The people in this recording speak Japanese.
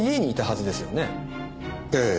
ええ。